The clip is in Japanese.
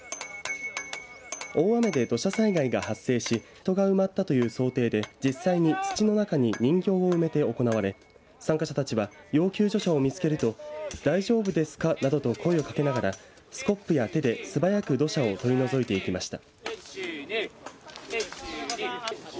大雨で土砂災害が発生し人が埋まったという想定で実際に土の中に人形を埋めて行われ参加者たちは要救助者を見つけると大丈夫ですかなどと声をかけながらスコップや手で素早く土砂を取り除いていきました。